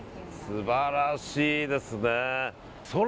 素晴らしいですね。